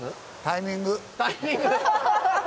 タイミング。